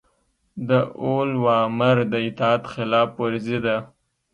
د اولوامر د اطاعت خلاف ورزي ده